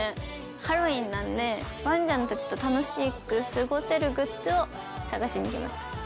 ハロウィーンなんでワンちゃんたちと楽しく過ごせるグッズを探しに来ました。